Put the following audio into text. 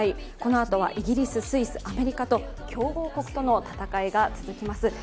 このあとはイギリス、スイス、アメリカと強豪国との戦いが続きます。